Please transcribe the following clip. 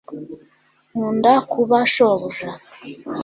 nkunda kuba shobuja